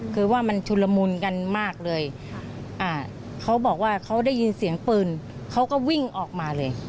คือว่ามันชุนละมุนกันมากเลยเขาบอกว่าเขาได้ยินเสียงปืนเขาก็วิ่งออกมาเลย